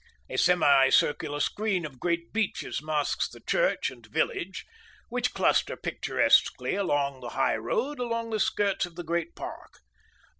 A semi circular screen of great beeches masks the church and village, which cluster picturesquely about the high road along the skirts of the great park.